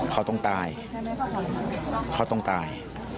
เขาต้องตายเขาต้องตาย